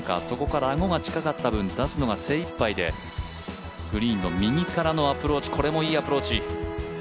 そこからアゴが近かった分、出すのが精いっぱいでグリーンの右からのアプローチこれもいいアプローチ。